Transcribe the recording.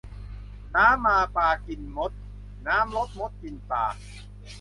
น้ำมาปลากินมดน้ำลดมดกินปลา